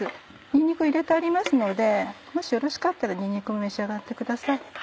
にんにくを入れてありますのでもしよろしかったらにんにくも召し上がってください。